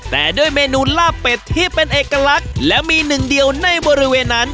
แต่ด้วยเมนูลาบเป็ดที่เป็นเอกลักษณ์และมีหนึ่งเดียวในบริเวณนั้น